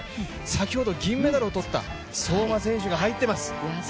先ほど、銀メダルを取った相馬選手が入っています。